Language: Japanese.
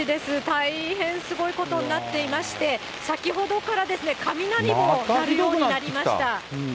大変すごいことになっていまして、先ほどから雷も鳴るようになりました。